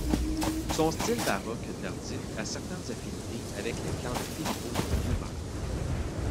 Son style baroque tardif a certaines affinités avec les plans de Filippo Juvarra.